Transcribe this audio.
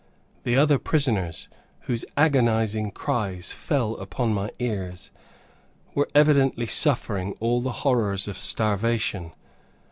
The other prisoners, whose agonizing cries fell upon my ears, were evidently suffering all the horrors of starvation.